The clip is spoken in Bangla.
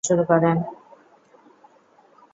তিনি কলকাতায় ফিরে এসে পুনরায় মঞ্চনাটকে কাজ শুরু করেন।